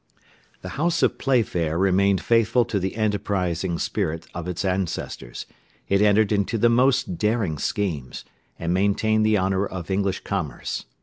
The house of Playfair remained faithful to the enterprising spirit of its ancestors, it entered into the most daring schemes, and maintained the honour of English commerce.